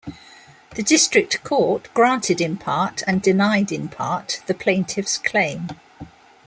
The District Court granted in part and denied in part the plaintiff's claim.